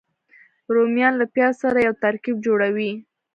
رومیان له پیاز سره یو ترکیب جوړوي